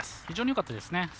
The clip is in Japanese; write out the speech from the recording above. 非常によかったですね。